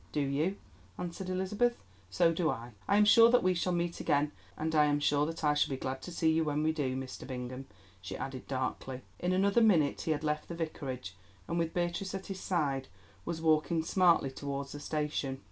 "Do you?" answered Elizabeth; "so do I. I am sure that we shall meet again, and I am sure that I shall be glad to see you when we do, Mr. Bingham," she added darkly. In another minute he had left the Vicarage and, with Beatrice at his side, was walking smartly towards the station.